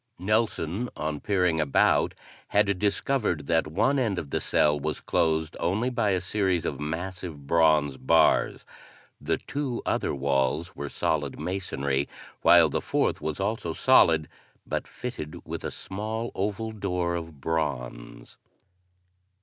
Nelson, on peering about, had discovered that one end of the cell was closed only by a series of massive bronze bars; the two other walls were solid masonry; while the fourth was also solid but fitted with a small oval door of bronze.